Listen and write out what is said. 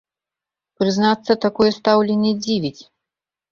Прызнацца, такое стаўленне дзівіць.